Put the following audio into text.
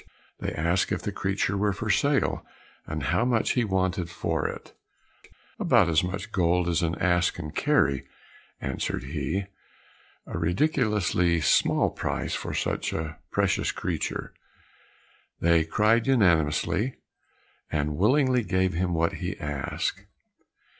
They asked if the creature were for sale, and how much he wanted for it? "About as much gold as an ass can carry," answered he. "A ridiculously small price for such a precious creature!" they cried unanimously, and willingly gave him what he had asked.